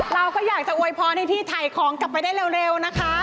เราก็อยากจะอวยพรให้พี่ถ่ายของกลับไปได้เร็วนะคะ